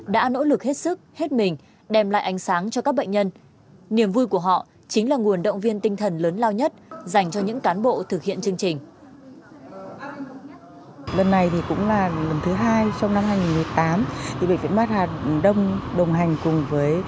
mà có đem lại ánh sáng cho bệnh nhân thì chúng tôi rất là vui mừng